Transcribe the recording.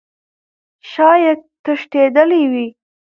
شايد تښتيدلى وي .